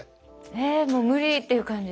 えもう無理っていう感じでした